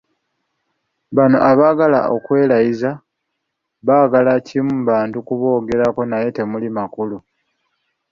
Bano abaagala okwerayiza, baagala kimu bantu ku boogerako naye temuli makulu.